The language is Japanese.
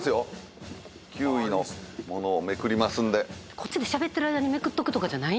こっちでしゃべってる間にめくっとくとかじゃないんやね。